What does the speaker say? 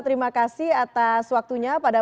terima kasih atas waktunya pada